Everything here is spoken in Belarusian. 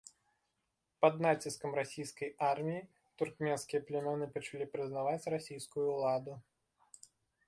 Пад націскам расійскай арміі туркменскія плямёны пачалі прызнаваць расійскую ўладу.